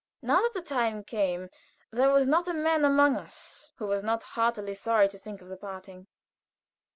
Now that the time came there was not a man among us who was not heartily sorry to think of the parting.